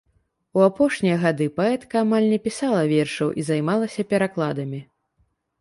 У апошнія гады паэтка амаль не пісала вершаў і займалася перакладамі.